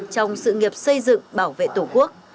trong sự nghiệp xây dựng bảo vệ tổ quốc